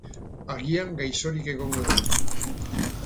Agian gaixorik egongo da.